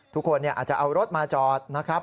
ทุกคนอาจจะเอารถมาจอดนะครับ